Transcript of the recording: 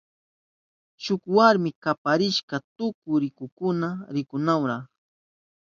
Shuk warmi kaparishpan tukuy rikunapa rishkakuna.